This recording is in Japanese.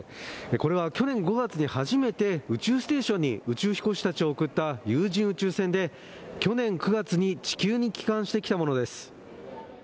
これは去年５月に初めて宇宙ステーションに宇宙飛行士たちを送った有人宇宙船で、去年９月に地球に帰還してきたものです。